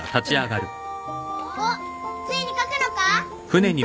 おっついに書くのか？